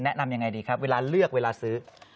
แนะนำยังไงดีครับเวลาเลือกเวลาซื้อ